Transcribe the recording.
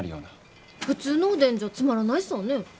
普通のおでんじゃつまらないさぁねぇ？